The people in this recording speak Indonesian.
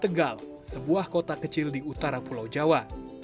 tegal sebuah kota kecil di utara pulau jawa